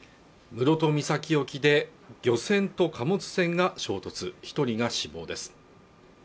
室戸岬沖で漁船と貨物船が衝突一人が死亡です